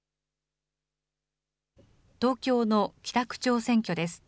東京の北区長選挙です。